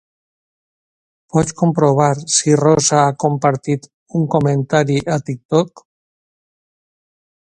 Pots comprovar si la Rosa ha compartit un comentari a TikTok?